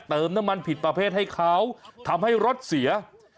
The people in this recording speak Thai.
เติมน้ำมันผิดประเภทให้เขาทำให้รถเสีย